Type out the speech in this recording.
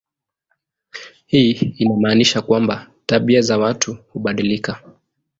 Hii inamaanisha kwamba tabia za watu hubadilika.